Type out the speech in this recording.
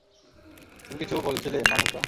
তুমি কিছু বলছিলে মালহোত্রা?